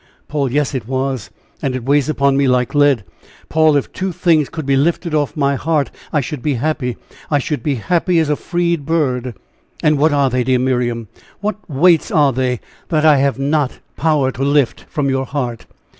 "Paul, yes it was and it weighs upon me like lead. Paul, if two things could be lifted off my heart, I should be happy. I should be happy as a freed bird." "And what are they, dear Miriam? What weights are they that I have not power to lift from your heart?"